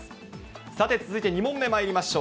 さて続いて２問目まいりましょう。